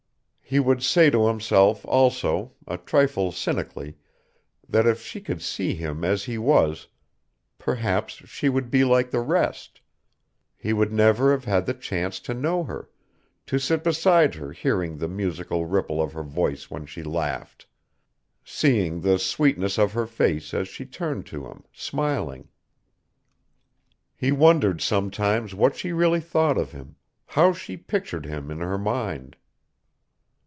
He would say to himself also, a trifle cynically, that if she could see him as he was, perhaps she would be like the rest: he would never have had the chance to know her, to sit beside her hearing the musical ripple of her voice when she laughed, seeing the sweetness of her face as she turned to him, smiling. He wondered sometimes what she really thought of him, how she pictured him in her mind.